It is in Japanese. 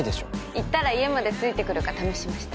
言ったら家までついてくるか試しました。